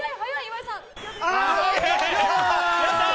やったー！